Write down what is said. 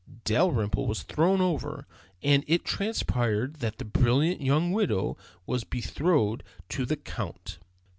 Dalrymple was thrown over, and it transpired that the brilliant young widow was betrothed to the Count.